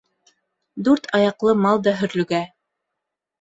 Дүрт аяҡлы мал да һөрлөгә.